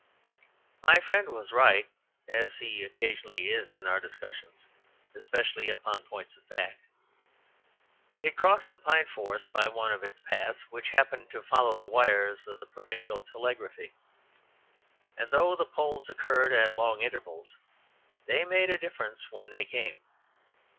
My friend was right, as he occasionally is in our discussions, especially upon points of fact. We had crossed the pine forest by one of its paths which happened to follow the wires of the provincial telegraphy; and though the poles occurred at long intervals they made a difference when they came.